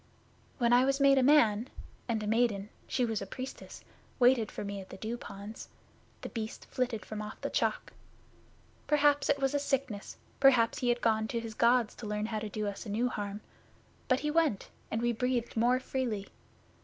When I was made a man, and a maiden she was a Priestess waited for me at the Dew ponds, The Beast flitted from off the Chalk. Perhaps it was a sickness; perhaps he had gone to his Gods to learn how to do us new harm. But he went, and we breathed more freely.